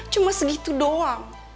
cuma segitu doang